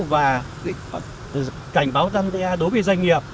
và cảnh báo giăn đe đối với doanh nghiệp